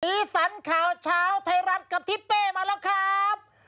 สันข่าวเช้าไทยรัฐกับทิศเป้มาแล้วครับ